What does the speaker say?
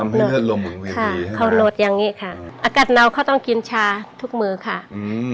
เลือดลมเหมือนกันค่ะเขาลดอย่างงี้ค่ะอากาศเนาเขาต้องกินชาทุกมือค่ะอืม